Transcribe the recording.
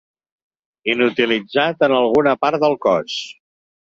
Inutilitzat en alguna part del cos.